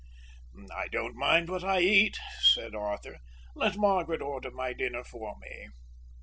"I don't mind what I eat," said Arthur. "Let Margaret order my dinner for me."